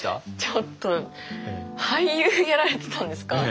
ちょっと俳優やられてたんですか？